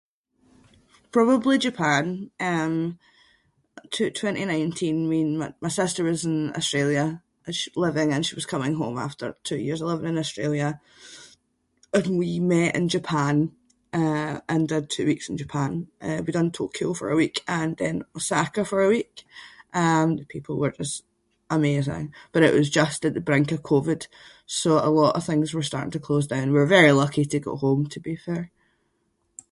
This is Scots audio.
Probably Japan. Um t-twenty nineteen me and my- my sister was in Australia living and she was coming home after two years of living in Australia. And we met in Japan uh and did two weeks in Japan. Uh we done Tokyo for a week and then Osaka for a week. Um the people were just amazing but it was just at the brink of Covid so a lot of things were starting to close down. We were very lucky to get home to be fair.